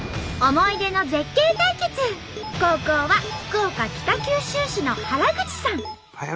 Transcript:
後攻は福岡北九州市の原口さん！